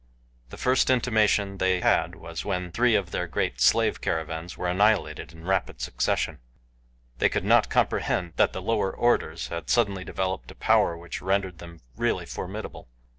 The first intimation they had was when three of their great slave caravans were annihilated in rapid succession. They could not comprehend that the lower orders had suddenly developed a power which rendered them really formidable.